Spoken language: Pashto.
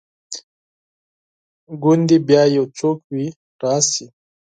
ګوندي بیا یو څوک وي راشي